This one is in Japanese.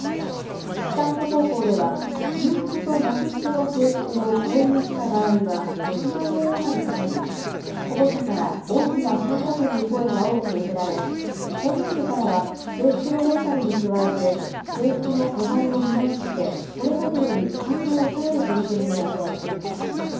北本高校では、冬服と夏服の制服を購入した場合は６万円余りかかり、保護者から大きな負担だという声が多く寄せられ、今年度からは、制服のレンタルに加えて、制服の素材を見直して、これまでより価格を抑える取り組みも行っています。